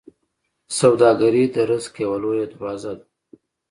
سوداګري د رزق یوه لویه دروازه ده.